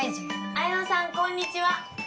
綾乃さんこんにちは。